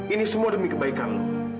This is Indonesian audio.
ini semua demi kebaikan lo